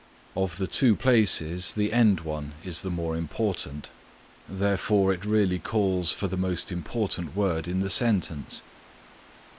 Of the two places the end one is the more important, therefore, it really calls for the most important word in the sentence.